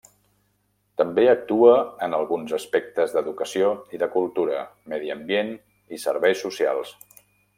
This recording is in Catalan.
També actua en alguns aspectes d'educació i de cultura, medi ambient i serveis socials.